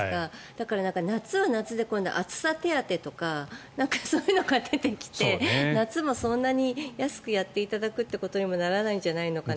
だから、夏は夏で暑さ手当とかそういうのが出てきて夏もそんなに安くやっていただくことにもならないんじゃないかなと。